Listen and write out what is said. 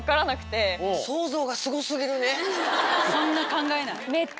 そんな考えない。